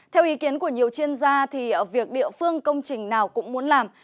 theo ý kiến của nhiều chuyên gia việc địa phương công trình nào cũng muốn làm